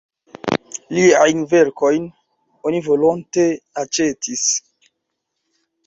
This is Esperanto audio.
Liajn verkojn oni volonte aĉetis.